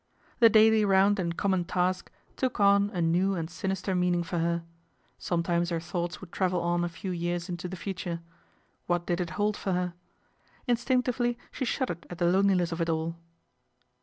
" The daily round and common task " took on a new and sinister meaning for her. Sometimes her thoughts would travel on a few years into the future. What did it hold for her ? Instinctively she shuddered at the loneliness of it all.